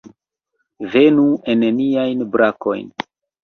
Venu en niajn brakojn!